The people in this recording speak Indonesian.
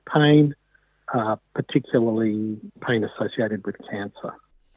terutama sakit yang disamakan dengan kanser